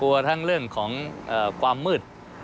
ทั้งเรื่องของความมืด